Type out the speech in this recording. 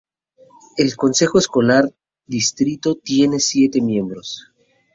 El consejo escolar distrito tiene siete miembros.